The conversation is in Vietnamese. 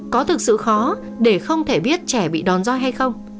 có thực sự khó để không thể biết trẻ bị đòn do hay không